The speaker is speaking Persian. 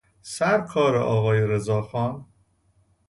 سرکارٍ آقای رضا خان